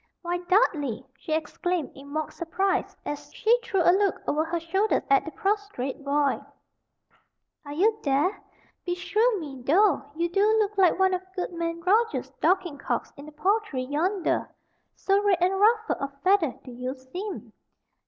"Why, Dudley," she exclaimed, in mock surprise, as she threw a look over her shoulder at the prostrate boy, "are you there? Beshrew me, though, you do look like one, of goodman Roger's Dorking cocks in the poultry yonder, so red and ruffled of feather do you seem.